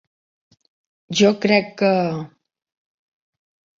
Jo crec que...